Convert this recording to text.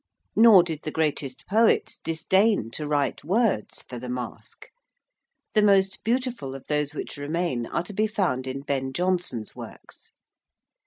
Nor did the greatest poets disdain to write words for the Masque. The most beautiful of those which remain are to be found in Ben Jonson's works.